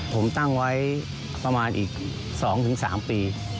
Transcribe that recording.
ผมตั้งไว้ประมาณอีก๒๓ปี